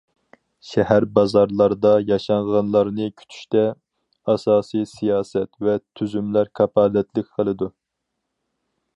شەھەر- بازارلاردا ياشانغانلارنى كۈتۈشتە، ئاساسىي سىياسەت ۋە تۈزۈملەر كاپالەتلىك قىلىدۇ.